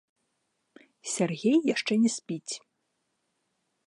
Сяргей яшчэ не спіць.